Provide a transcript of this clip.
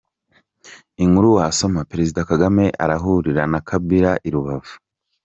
Inkuru wasoma: Perezida Kagame arahurira na Kabila i Rubavu.